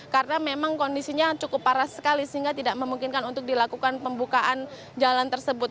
karena memang kondisinya cukup parah sekali sehingga tidak memungkinkan untuk dilakukan pembukaan jalan tersebut